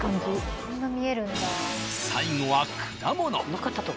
［最後は果物］